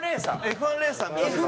Ｆ１レーサー目指してた。